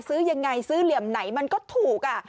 ซื้อยังไงซื้อเหลี่ยมไหนมันก็ถูก